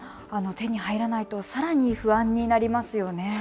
手に入らないとさらに不安になりますよね。